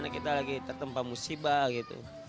kita lagi tertempa musibah gitu